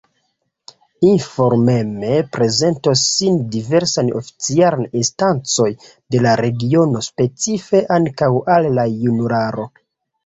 Informeme prezentos sin diversaj oficialaj instancoj de la regiono, specife ankaŭ al la junularo.